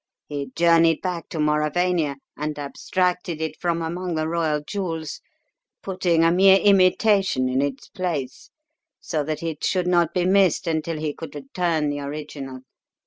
He journeyed back to Mauravania and abstracted it from among the royal jewels putting a mere imitation in its place so that it should not be missed until he could return the original.